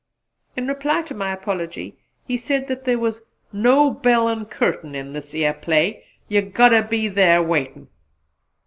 In reply to my apology he said that there was "no bell an' curtain in this yere play; you got ter be thar waitin'."